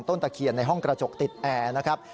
ตะเคียนในห้องกระจกติดแอร์นะครับ